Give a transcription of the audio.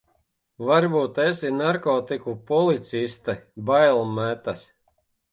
Varbūt esi narkotiku policiste, bail metas.